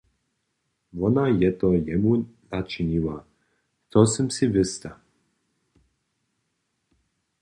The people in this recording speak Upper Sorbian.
Wona je to jemu načiniła, to sym sej wěsta.